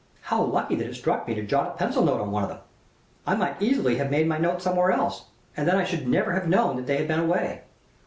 "How lucky that it struck me to jot a pencil note on one of them! I might easily have made my note somewhere else, and then I should never have known that they had been away."